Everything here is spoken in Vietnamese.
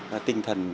cái tinh thần